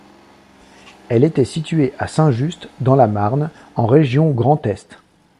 Elle était située à Saint-Just, dans la Marne, en région Grand Est.